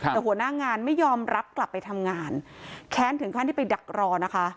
แต่หัวหน้างานไม่ยอมรับกลับไปทำงานแค้นถึงขั้นที่ไปดักรอนะคะ